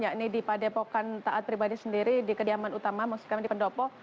yakni di padepokan taat pribadi sendiri di kediaman utama maksud kami di pendopo